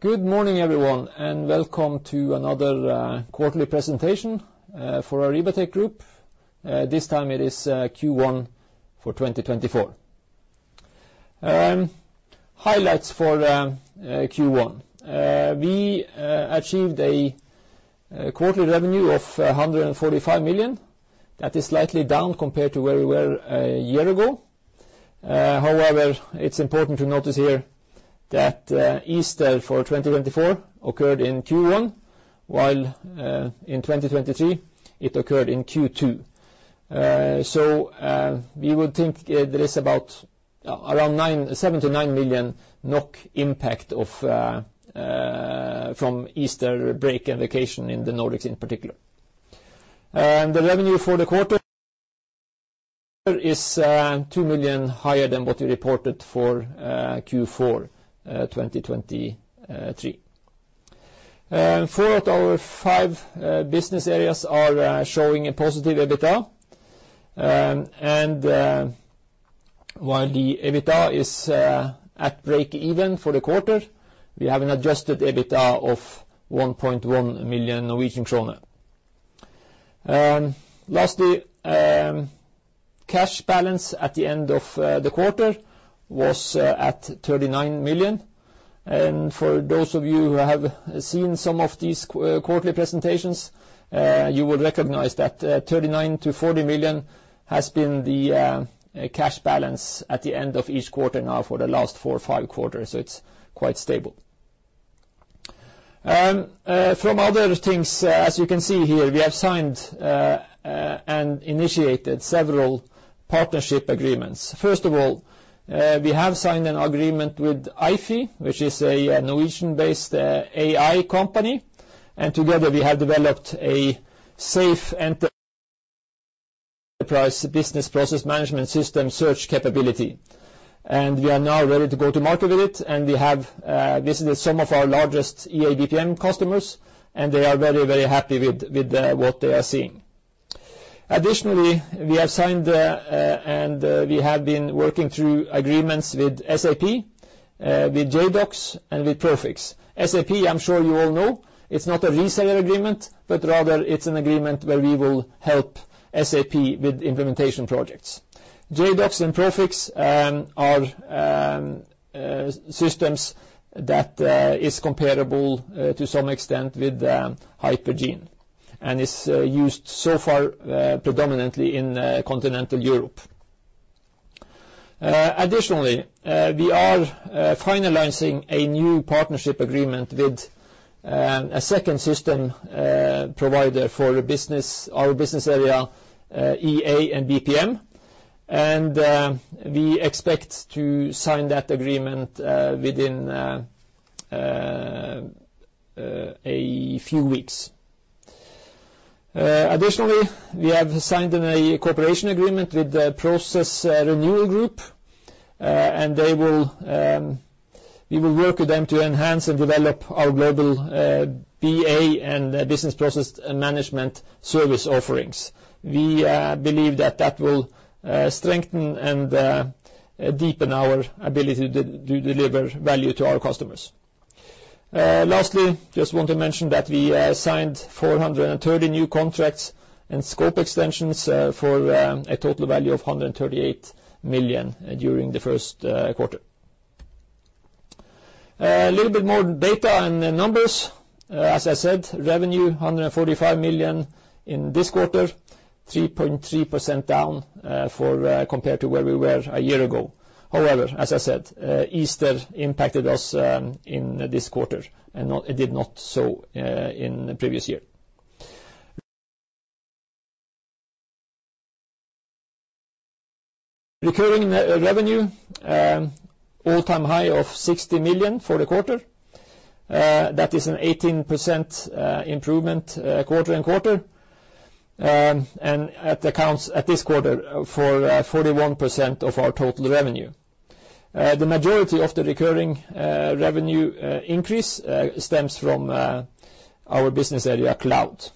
Good morning, everyone, and welcome to another quarterly presentation for Arribatec Group. This time it is Q1 for 2024. Highlights for Q1. We achieved a quarterly revenue of 145 million. That is slightly down compared to where we were a year ago. However, it's important to notice here that Easter for 2024 occurred in Q1 while in 2023 it occurred in Q2. So we would think there is about around 9.7-9 million NOK impact from Easter break and vacation in the Nordics in particular. The revenue for the quarter is 2 million higher than what we reported for Q4 2023. Four of our five business areas are showing a positive EBITDA. And while the EBITDA is at break-even for the quarter, we have an adjusted EBITDA of 1.1 million Norwegian kroner. Lastly, cash balance at the end of the quarter was at 39 million. For those of you who have seen some of these quarterly presentations, you will recognize that 39 million-40 million has been the cash balance at the end of each quarter now for the last four, five quarters. So it's quite stable. From other things, as you can see here, we have signed and initiated several partnership agreements. First of all, we have signed an agreement with Ayfie, which is a Norwegian-based AI company. And together we have developed a SaaS enterprise business process management system search capability. And we are now ready to go to market with it. And we have visited some of our largest EABPM customers, and they are very, very happy with what they are seeing. Additionally, we have signed, and we have been working through agreements with SAP, with Jedox, and with Prophix. SAP, I'm sure you all know, it's not a reseller agreement, but rather it's an agreement where we will help SAP with implementation projects. Jedox and Prophix are systems that is comparable to some extent with Hypergene and is used so far predominantly in continental Europe. Additionally, we are finalizing a new partnership agreement with a second system provider for a business our business area, EA and BPM. We expect to sign that agreement within a few weeks. Additionally, we have signed a cooperation agreement with the Process Renewal Group, and we will work with them to enhance and develop our global EA and business process management service offerings. We believe that that will strengthen and deepen our ability to deliver value to our customers. Lastly, just want to mention that we signed 430 new contracts and scope extensions for a total value of 138 million during the first quarter. A little bit more data and numbers. As I said, revenue 145 million in this quarter, 3.3% down compared to where we were a year ago. However, as I said, Easter impacted us in this quarter and not it did not so in the previous year. Recurring revenue, all-time high of 60 million for the quarter. That is an 18% improvement quarter-over-quarter. And it accounts at this quarter for 41% of our total revenue. The majority of the recurring revenue increase stems from our business area cloud.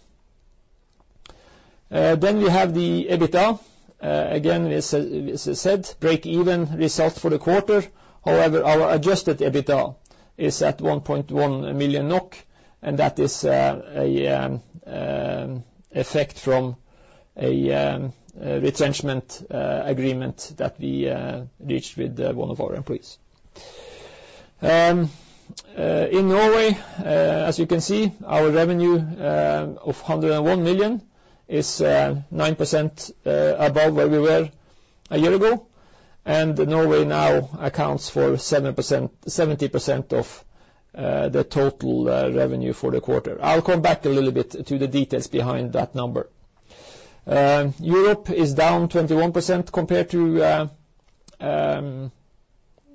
Then we have the EBITDA. Again, we said we said break-even result for the quarter. However, our adjusted EBITDA is at 1.1 million NOK, and that is an effect from a retrenchment agreement that we reached with one of our employees in Norway, as you can see, our revenue of 101 million is 9% above where we were a year ago. Norway now accounts for 70% of the total revenue for the quarter. I'll come back a little bit to the details behind that number. Europe is down 21% compared to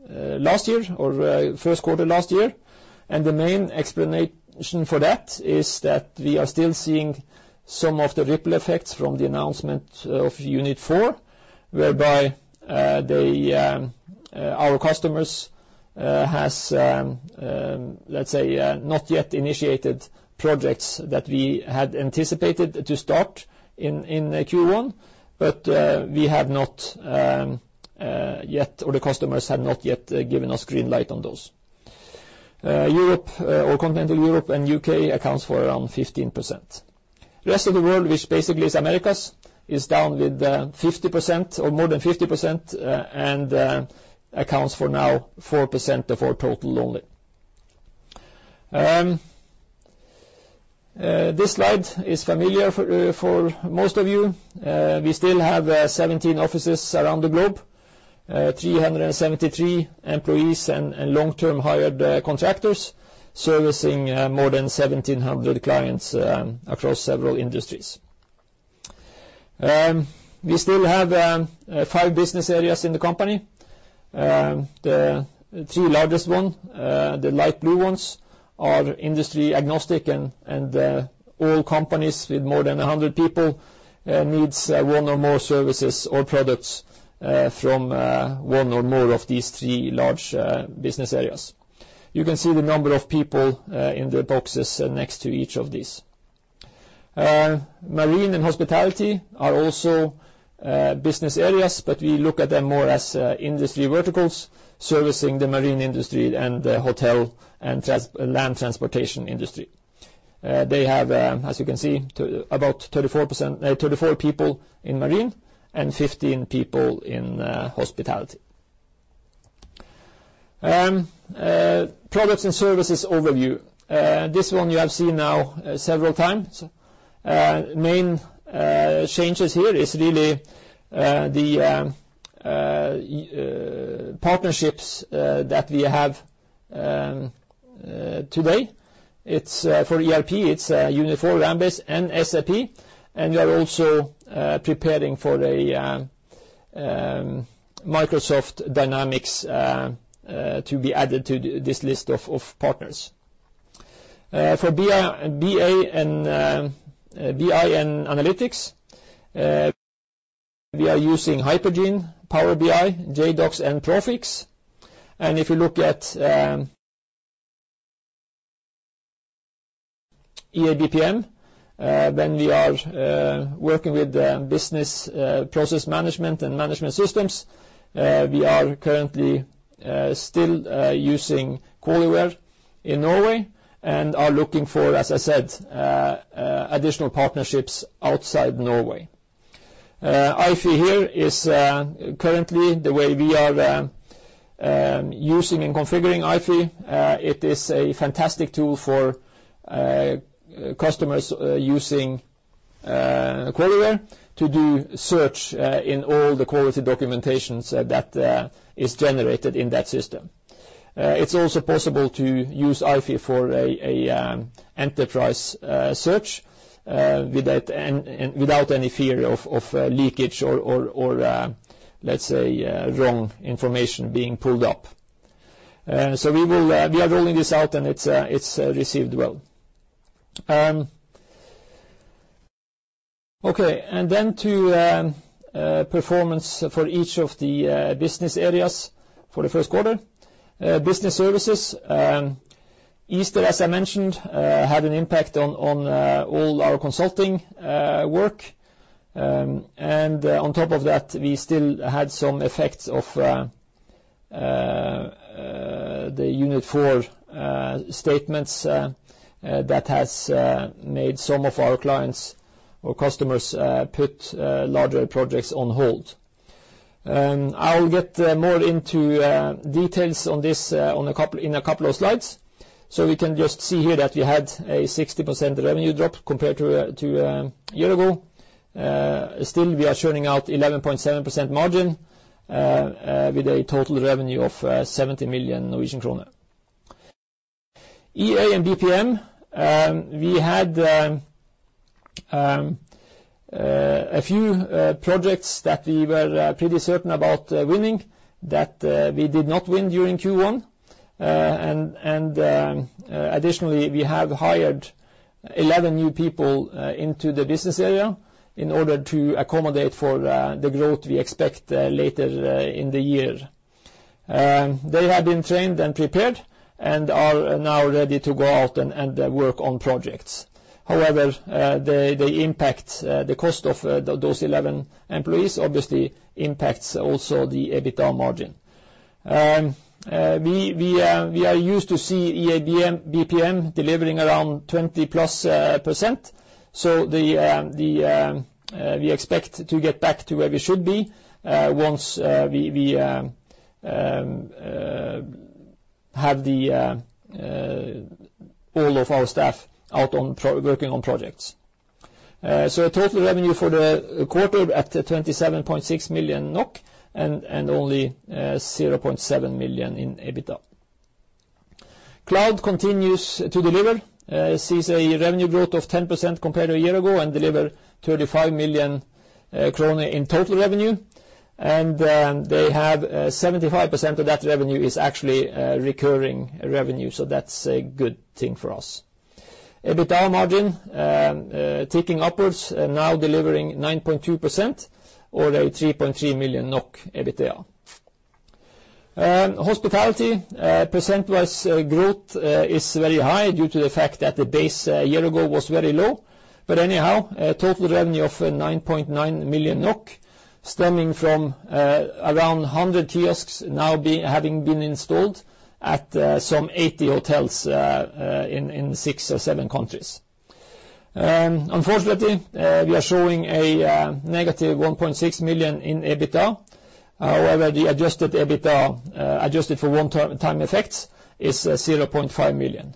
last year or first quarter last year. The main explanation for that is that we are still seeing some of the ripple effects from the announcement of Unit4, whereby they, our customers, has, let's say, not yet initiated projects that we had anticipated to start in Q1, but we have not yet or the customers have not yet given us green light on those. Europe, or continental Europe and U.K. accounts for around 15%. The rest of the world, which basically is America's, is down with 50% or more than 50%, and accounts for now 4% of our total only. This slide is familiar for most of you. We still have 17 offices around the globe, 373 employees and long-term hired contractors servicing more than 1,700 clients across several industries. We still have five business areas in the company. The three largest ones, the light blue ones, are industry agnostic and all companies with more than 100 people needs one or more services or products from one or more of these three large business areas. You can see the number of people in the boxes next to each of these. Marine and hospitality are also business areas, but we look at them more as industry verticals servicing the marine industry and the hotel and land transportation industry. They have, as you can see, too about 34%—34 people in marine and 15 people in hospitality. Products and services overview. This one you have seen now several times. The main changes here are really the partnerships that we have today. It's for ERP: Unit4, RamBase, and SAP. And we are also preparing for Microsoft Dynamics to be added to this list of partners. For BI and BI and analytics, we are using Hypergene, Power BI, Jedox, and Prophix. And if you look at EABPM, then we are working with business process management and management systems. We are currently still using QualiWare in Norway and are looking for, as I said, additional partnerships outside Norway. Ayfie here is currently the way we are using and configuring Ayfie. It is a fantastic tool for customers using QualiWare to do search in all the quality documentations that is generated in that system. It's also possible to use Ayfie for an enterprise search with that and without any fear of leakage or, let's say, wrong information being pulled up. So we are rolling this out and it's received well. Okay. And then to performance for each of the business areas for the first quarter. Business services. Easter, as I mentioned, had an impact on all our consulting work. And on top of that, we still had some effects of the Unit4 statements that has made some of our clients or customers put larger projects on hold. I'll get more into details on this in a couple of slides. So we can just see here that we had a 60% revenue drop compared to a year ago. Still, we are churning out 11.7% margin, with a total revenue of 70 million Norwegian kroner. EA and BPM, we had a few projects that we were pretty certain about winning that we did not win during Q1. And additionally, we have hired 11 new people into the business area in order to accommodate for the growth we expect later in the year. They have been trained and prepared and are now ready to go out and work on projects. However, they impact the cost of those 11 employees, which obviously impacts also the EBITDA margin. We are used to see EA and BPM delivering around 20%+. So we expect to get back to where we should be, once we have all of our staff out on pro working on projects. Total revenue for the quarter at 27.6 million NOK and only 0.7 million in EBITDA. Cloud continues to deliver. Sees a revenue growth of 10% compared to a year ago and deliver 35 million kroner in total revenue. And 75% of that revenue is actually recurring revenue. So that's a good thing for us. EBITDA margin ticking upwards and now delivering 9.2% or 3.3 million NOK EBITDA. Hospitality percentwise growth is very high due to the fact that the base year ago was very low. But anyhow, total revenue of 9.9 million NOK stemming from around 100 kiosks now having been installed at some 80 hotels in six or seven countries. Unfortunately, we are showing a negative 1.6 million in EBITDA. However, the adjusted EBITDA, adjusted for one-time effects, is 0.5 million.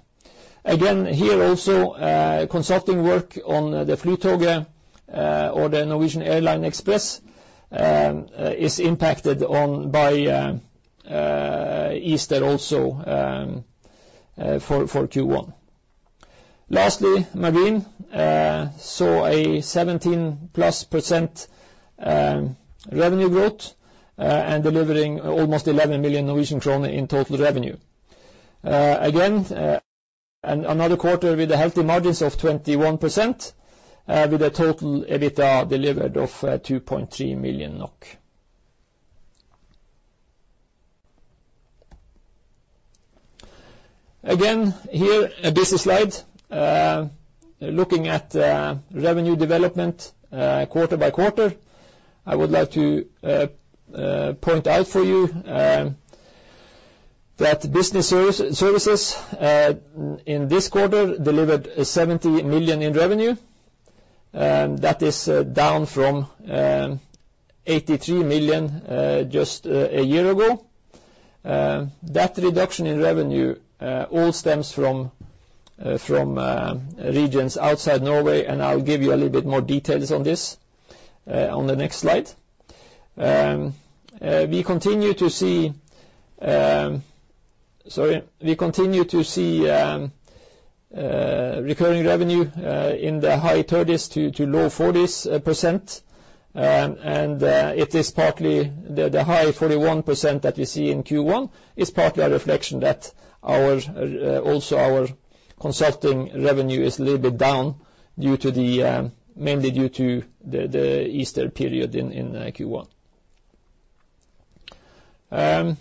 Again, here also, consulting work on the Flytoget, or the Norwegian Airline Express, is impacted on by Easter also, for Q1. Lastly, marine saw a 17+% revenue growth, and delivering almost 11 million Norwegian kroner in total revenue. Again, another quarter with healthy margins of 21%, with a total EBITDA delivered of 2.3 million NOK. Again, here a business slide, looking at revenue development, quarter by quarter. I would like to point out for you, that business services, in this quarter delivered 70 million in revenue. That is down from 83 million, just a year ago. That reduction in revenue all stems from regions outside Norway. I'll give you a little bit more details on this, on the next slide. We continue to see, sorry. We continue to see recurring revenue in the high 30s-low 40s%. And it is partly the high 41% that we see in Q1 is partly a reflection that our, also our consulting revenue is a little bit down due to the, mainly due to the Easter period in Q1.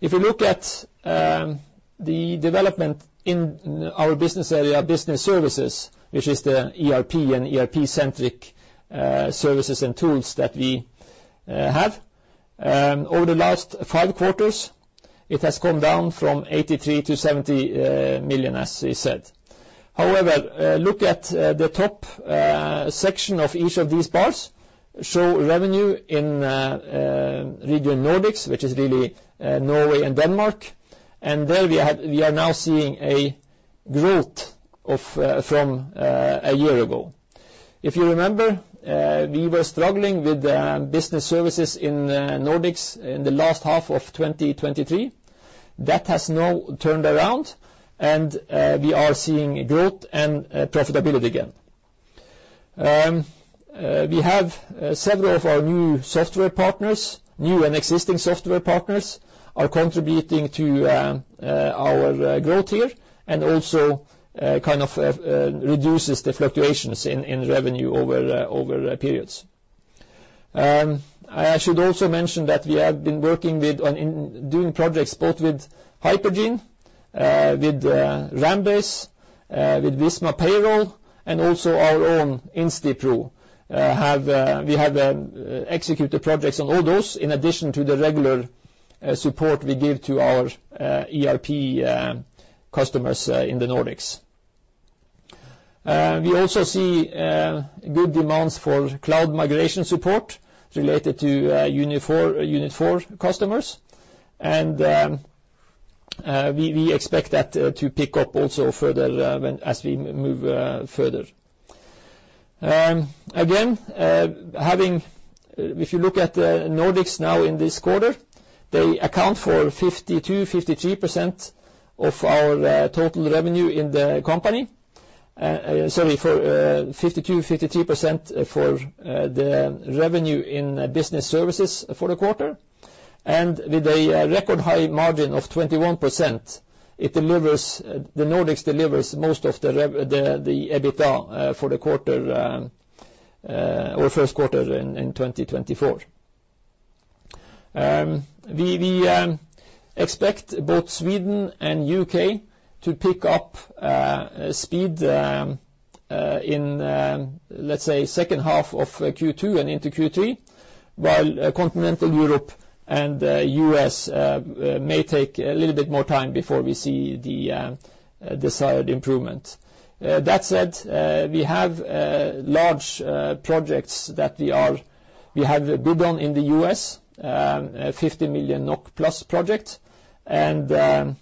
If we look at the development in our business area, business services, which is the ERP and ERP-centric services and tools that we have over the last five quarters, it has come down from 83 million-70 million, as we said. However, look at the top section of each of these bars show revenue in region Nordics, which is really Norway and Denmark. And there we are now seeing a growth from a year ago. If you remember, we were struggling with business services in the Nordics in the last half of 2023. That has now turned around. We are seeing growth and profitability again. We have several of our new software partners, new and existing software partners, that are contributing to our growth here and also kind of reduces the fluctuations in revenue over periods. I should also mention that we have been working with and doing projects both with Hypergene, with RamBase, with Visma Payroll and also our own InstiPro. We have executed projects on all those in addition to the regular support we give to our ERP customers in the Nordics. We also see good demands for cloud migration support related to Unit4 customers. We expect that to pick up also further when we move further. Again, having if you look at Nordics now in this quarter, they account for 52%-53% of our total revenue in the company. Sorry. For 52%-53% for the revenue in business services for the quarter. And with a record high margin of 21%, it delivers. The Nordics delivers most of the EBITDA for the quarter, or first quarter in 2024. We expect both Sweden and U.K. to pick up speed in, let's say, second half of Q2 and into Q3 while continental Europe and U.S. may take a little bit more time before we see the desired improvement. That said, we have large projects that we have bid on in the U.S., a NOK 50 million+ project.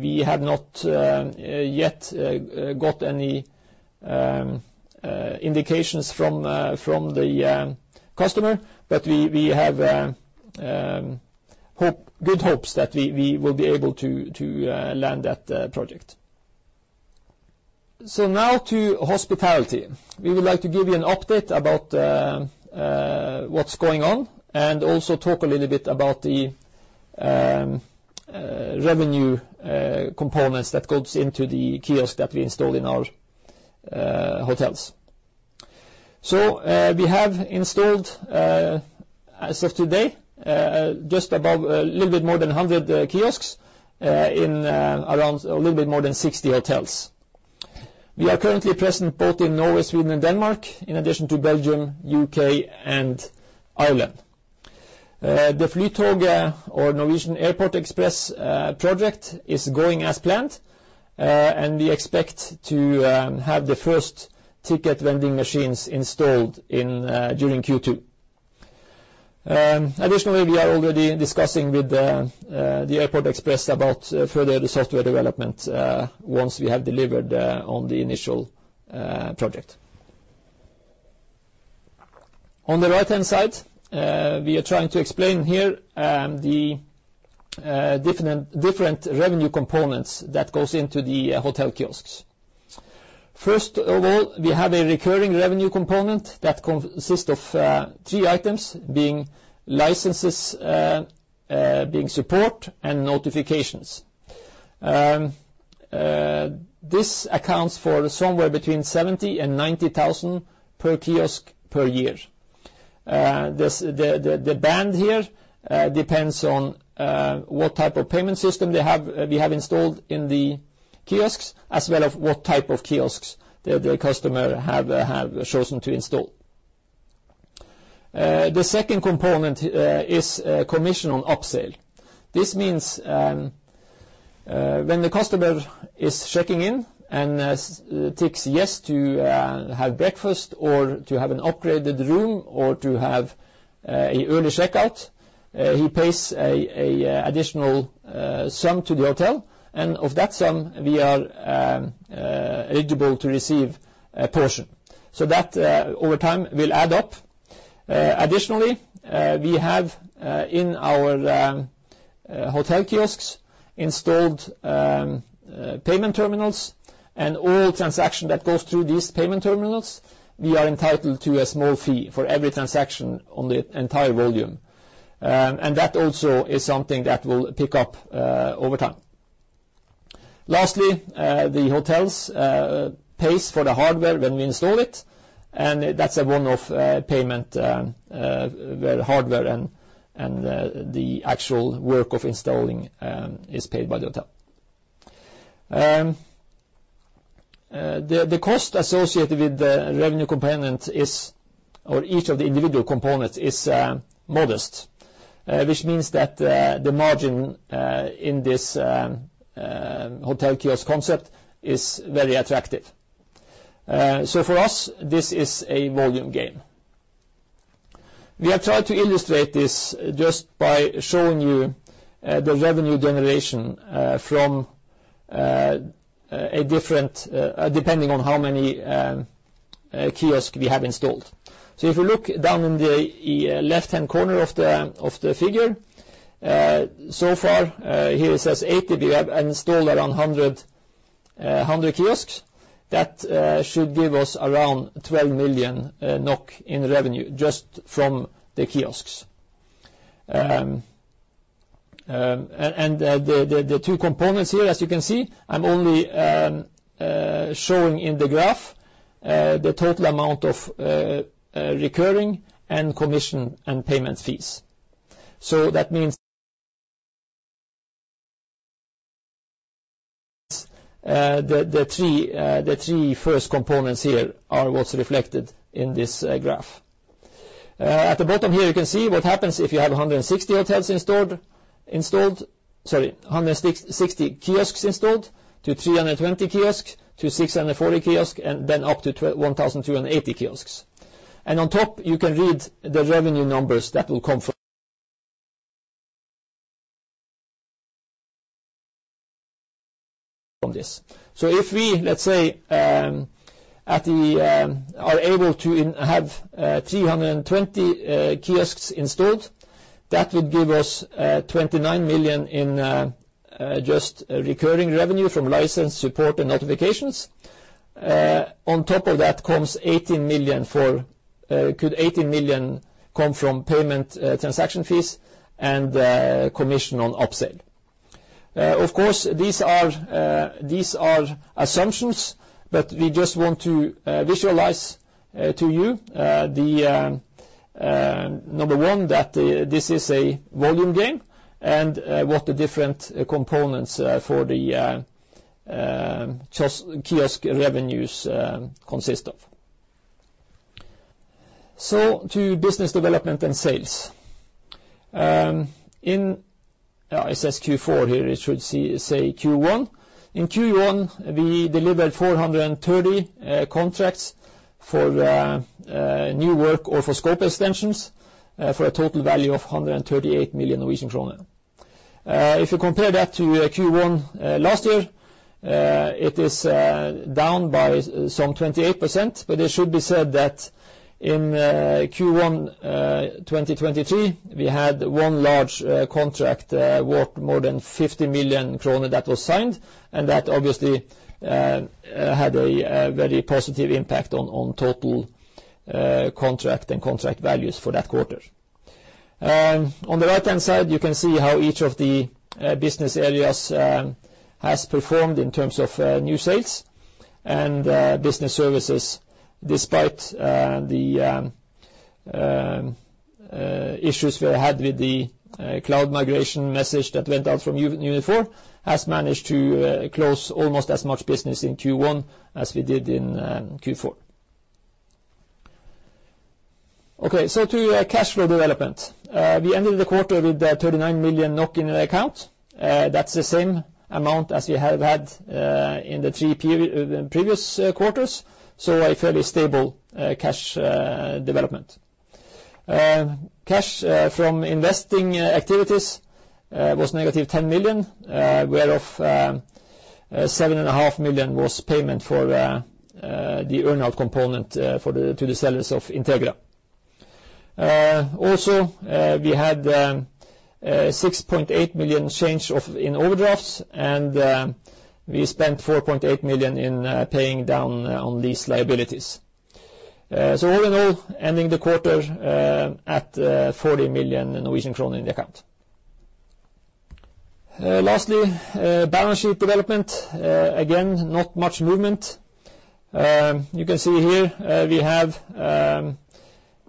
We have not yet got any indications from the customer. But we have good hopes that we will be able to land that project. So now to hospitality. We would like to give you an update about what's going on and also talk a little bit about the revenue components that goes into the kiosk that we install in our hotels. So, we have installed, as of today, just above a little bit more than 100 kiosks in around a little bit more than 60 hotels. We are currently present both in Norway, Sweden, and Denmark in addition to Belgium, U.K., and Ireland. The Flytoget or Norwegian Airport Express project is going as planned. And we expect to have the first ticket vending machines installed during Q2. Additionally, we are already discussing with the airport express about further software development once we have delivered on the initial project. On the right-hand side, we are trying to explain here the different revenue components that goes into the hotel kiosks. First of all, we have a recurring revenue component that consists of three items being licenses, being support and notifications. This accounts for somewhere between 70,000-90,000 per kiosk per year. There's the band here, depends on what type of payment system they have we have installed in the kiosks as well as what type of kiosks the customer have chosen to install. The second component is commission on upsell. This means when the customer is checking in and ticks yes to have breakfast or to have an upgraded room or to have a early checkout, he pays a additional sum to the hotel. And of that sum, we are eligible to receive a portion. So that over time will add up. Additionally, we have in our hotel kiosks installed payment terminals. And all transaction that goes through these payment terminals, we are entitled to a small fee for every transaction on the entire volume. And that also is something that will pick up over time. Lastly, the hotels pay for the hardware when we install it. And that's a one-off payment, where hardware and the actual work of installing is paid by the hotel. The cost associated with the revenue component is or each of the individual components is modest, which means that the margin in this hotel kiosk concept is very attractive. So for us, this is a volume gain. We have tried to illustrate this just by showing you the revenue generation from a different depending on how many kiosk we have installed. So if we look down in the left-hand corner of the figure, so far, here it says 80. We have installed around 100 kiosks. That should give us around 12 million NOK in revenue just from the kiosks. And the two components here, as you can see, I'm only showing in the graph the total amount of recurring and commission and payment fees. So that means the three first components here are what's reflected in this graph. At the bottom here, you can see what happens if you have 160 kiosks installed to 320 kiosks to 640 kiosks and then up to 1,280 kiosks. And on top, you can read the revenue numbers that will come from this. So if we, let's say, are able to have 320 kiosks installed, that would give us 29 million in just recurring revenue from license, support, and notifications. On top of that comes 18 million from payment transaction fees and commission on upsale. Of course, these are assumptions. But we just want to visualize to you that this is a volume game and what the different components for the kiosk revenues consist of. So to business development and sales. Yeah, it says Q4 here. It should say Q1. In Q1, we delivered 430 contracts for new work or for scope extensions, for a total value of 138 million Norwegian kroner. If you compare that to Q1 last year, it is down by some 28%. But it should be said that in Q1 2023, we had one large contract worth more than 50 million kroner that was signed. And that obviously had a very positive impact on total contract and contract values for that quarter. On the right-hand side, you can see how each of the business areas has performed in terms of new sales and business services. Despite the issues we had with the cloud migration message that went out from Unit4, has managed to close almost as much business in Q1 as we did in Q4. Okay. So to cash flow development. We ended the quarter with 39 million in the account. That's the same amount as we have had in the three previous quarters. So a fairly stable cash development. Cash from investing activities was negative 10 million, whereof 7.5 million was payment for the earnout component to the sellers of Integra. We had a 6.8 million change in overdrafts. We spent 4.8 million in paying down on lease liabilities. All in all, ending the quarter at 40 million Norwegian kroner in the account. Lastly, balance sheet development. Again, not much movement. You can see here we have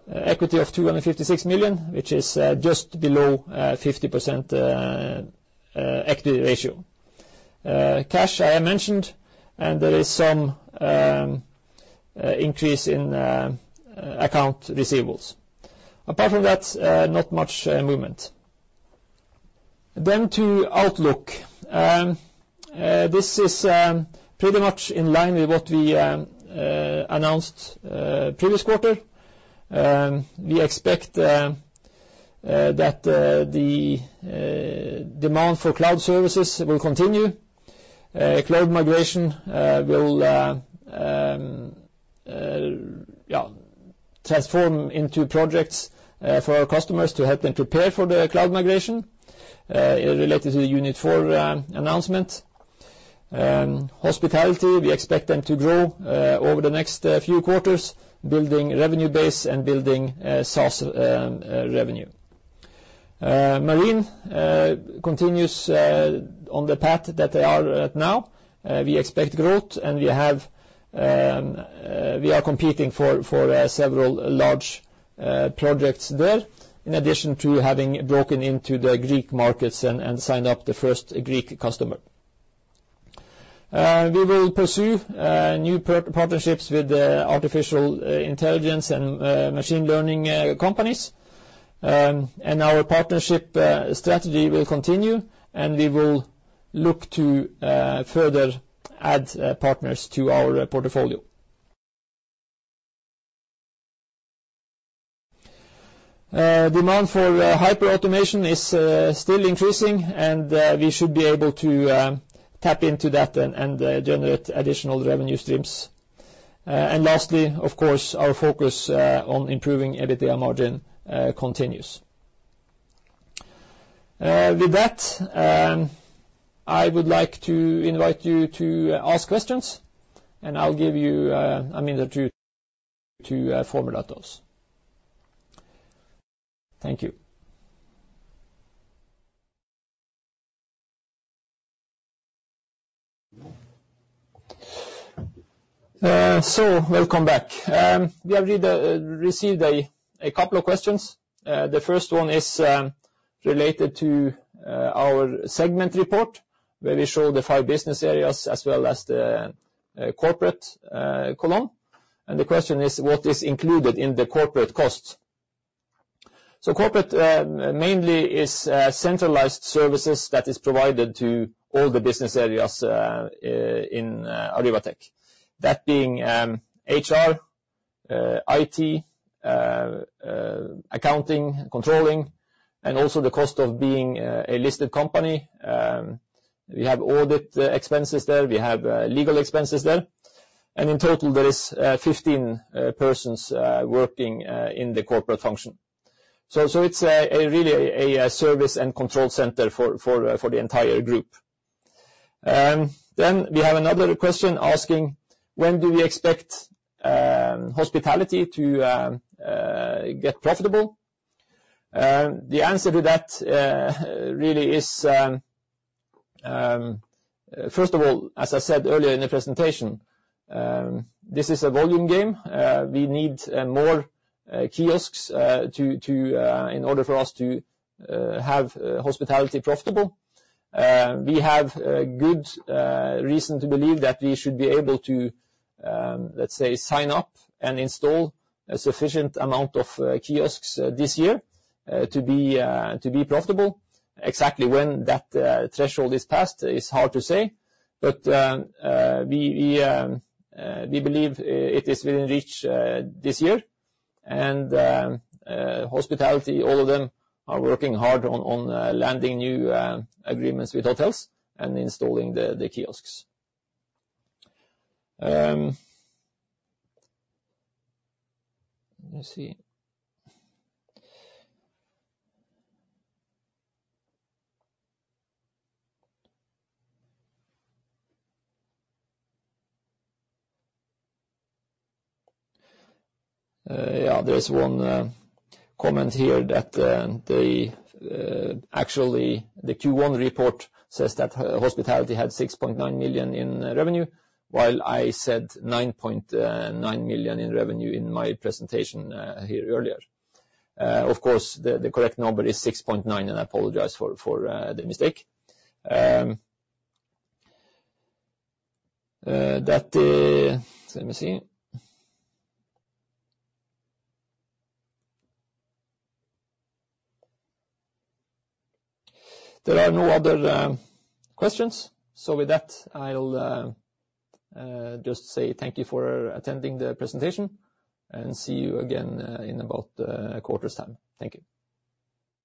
equity of NOK 256 million, which is just below 50% equity ratio. Cash I have mentioned. There is some increase in accounts receivable. Apart from that, not much movement. To outlook. This is pretty much in line with what we announced previous quarter. We expect that the demand for cloud services will continue. Cloud migration will, yeah, transform into projects for our customers to help them prepare for the cloud migration related to the Unit4 announcement. Hospitality, we expect them to grow over the next few quarters building revenue base and building SaaS revenue. Marine continues on the path that they are at now. We expect growth. And we have, we are competing for several large projects there in addition to having broken into the Greek markets and signed up the first Greek customer. We will pursue new partnerships with artificial intelligence and machine learning companies. And our partnership strategy will continue. And we will look to further add partners to our portfolio. Demand for hyper automation is still increasing. And we should be able to tap into that and generate additional revenue streams. And lastly, of course, our focus on improving EBITDA margin continues. With that, I would like to invite you to ask questions. And I'll give you a minute to formulate those. Thank you. So welcome back. We have already received a couple of questions. The first one is related to our segment report where we show the five business areas as well as the corporate column. And the question is, what is included in the corporate costs? So corporate mainly is centralized services that is provided to all the business areas in Arribatec. That being HR, IT, accounting, controlling, and also the cost of being a listed company. We have audit expenses there. We have legal expenses there. And in total, there is 15 persons working in the corporate function. So it's a really a service and control center for the entire group. We have another question asking, when do we expect hospitality to get profitable? The answer to that really is, first of all, as I said earlier in the presentation, this is a volume game. We need more kiosks in order for us to have hospitality profitable. We have good reason to believe that we should be able to, let's say, sign up and install a sufficient amount of kiosks this year to be profitable. Exactly when that threshold is passed is hard to say. But we believe it is within reach this year. And hospitality, all of them are working hard on landing new agreements with hotels and installing the kiosks. Let me see. Yeah, there's one comment here that actually the Q1 report says that hospitality had 6.9 million in revenue while I said 9.9 million in revenue in my presentation here earlier. Of course, the correct number is 6.9. And I apologize for the mistake. Let me see. There are no other questions. So with that, I'll just say thank you for attending the presentation. And see you again in about a quarter's time. Thank you.